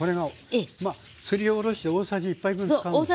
すりおろして大さじ１杯分使うんですね。